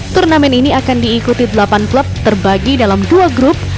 turnamen ini akan diikuti delapan klub terbagi dalam dua grup